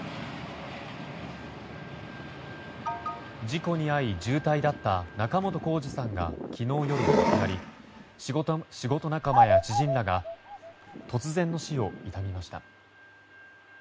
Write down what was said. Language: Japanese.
事故に遭い重体だった仲本工事さんが昨日夜、亡くなり仕事仲間や知人らが突然の死を悼みました。